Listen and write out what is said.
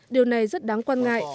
điều này rất đáng quan ngại